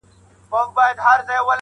o خبري ښې کوي، لکۍ ئې کږې کوي!